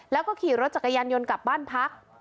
แล้วก็ขี่รถจักรยานยนต์กลับบ้านพัก